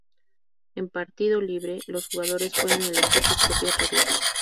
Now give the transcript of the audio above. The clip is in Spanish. En partida libre, los jugadores pueden elegir sus propias reglas.